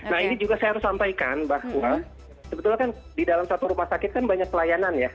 nah ini juga saya harus sampaikan bahwa sebetulnya kan di dalam satu rumah sakit kan banyak pelayanan ya